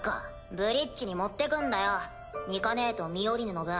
ブリッジに持ってくんだよニカねえとミオリネの分。